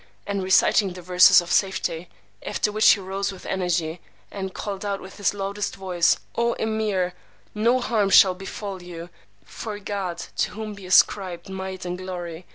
and reciting the Verses of Safety; after which he rose with energy, and called out with his loudest voice, O Emeer, no harm shall befall you; for God (to whom be ascribed might and glory!)